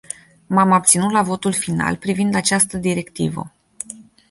M-am abținut la votul final privind această directivă.